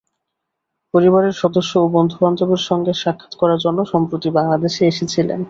পরিবারের সদস্য ও বন্ধুবান্ধবের সঙ্গে সাক্ষাৎ করার জন্য সম্প্রতি বাংলাদেশে এসেছিলেন।